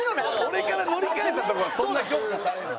俺から乗り換えたとこがそんな評価されるの？